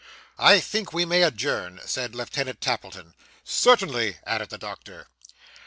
'I think we may adjourn,' said Lieutenant Tappleton. 'Certainly,' added the doctor.